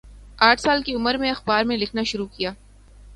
آٹھ سال کی عمر میں اخبار میں لکھنا شروع کیا